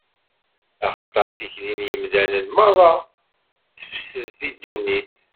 Axaṭer tikli n yemdanen meṛṛa tefsed di ddunit.